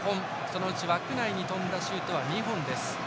そのうち枠内に飛んだシュートは２本です。